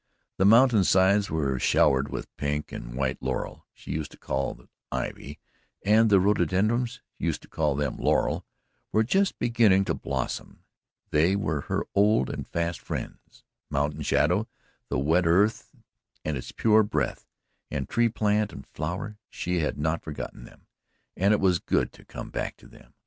The mountain sides were showered with pink and white laurel (she used to call it "ivy") and the rhododendrons (she used to call them "laurel") were just beginning to blossom they were her old and fast friends mountain, shadow, the wet earth and its pure breath, and tree, plant and flower; she had not forgotten them, and it was good to come back to them.